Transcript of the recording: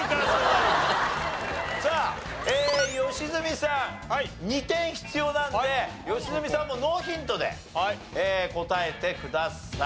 さあ良純さん２点必要なんで良純さんはもうノーヒントで答えてください。